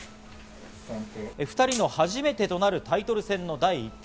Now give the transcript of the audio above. ２人の初めてとなるタイトル戦の第一局。